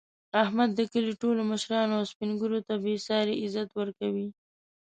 احمد د کلي ټولو مشرانو او سپین ږېرو ته بې ساري عزت ورکوي.